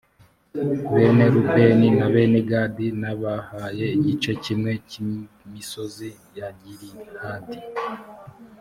bene rubeni na bene gadi nabahaye igice kimwe cy’imisozi ya gilihadi